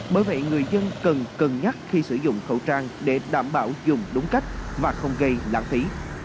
bởi vậy người dân cần cân nhắc khi sử dụng khẩu trang để đảm bảo dùng đúng cách và không gây lãng phí